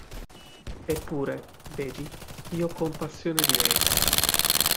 Eppure, vedi, io ho compassione di lei.